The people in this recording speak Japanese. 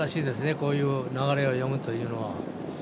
こういう流れを読むということは。